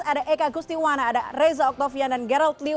ada eka gustiwana ada reza oktavian dan gerald liu